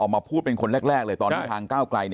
ออกมาพูดเป็นคนแรกเลยตอนแม้ทางเก้าไกล